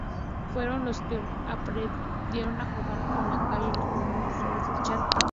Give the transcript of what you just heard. Fueron los que aprendieron a jugar en la calle, los primeros usuarios del chat.